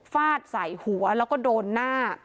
ฟาดใส่หัวแล้วก็โดนหน้า